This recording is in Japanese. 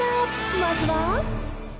まずは。